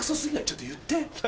ちょっと言って！